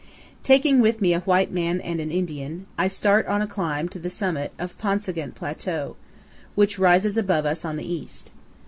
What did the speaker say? Taking with me a white man and an Indian, I start on a climb to the summit of the Paunsa'gunt Plateau, which rises above us on the east.